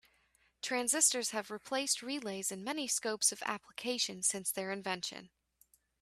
Transistors have replaced relays in many scopes of application since their invention.